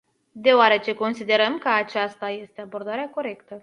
Deoarece considerăm că aceasta este abordarea corectă.